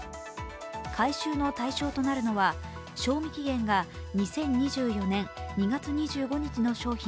回収の対象となるのは賞味期限が２０２４年２月２５日の商品